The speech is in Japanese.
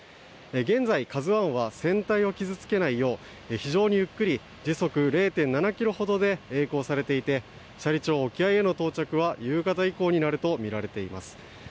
現在、「ＫＡＺＵ１」は船体を傷付けないよう非常にゆっくり時速０．７ｋｍほどでえい航されていて斜里町沖合への到着は夕方以降になるとみられています。